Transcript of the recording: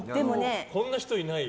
こんな人いないよ。